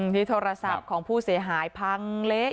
ที่โทรศัพท์ของผู้เสียหายพังเละ